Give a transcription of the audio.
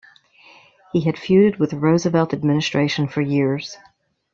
He had feuded with the Roosevelt administration for years.